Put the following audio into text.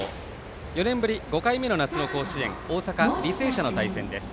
４年ぶり５回目の夏の甲子園大阪、履正社の対戦です。